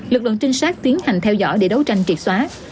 lực lượng trinh sát tiến hành theo dõi để đấu tranh triệt xóa